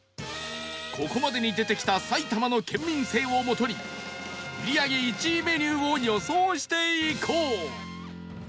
ここまでに出てきた埼玉の県民性を基に売り上げ１位メニューを予想していこう